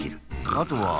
あとは。